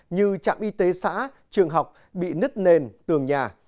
như trạm y tế xã trường học bị nứt nền tường nhà